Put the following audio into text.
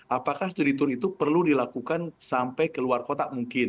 apakah studi tour itu perlu dilakukan sampai keluar kota mungkin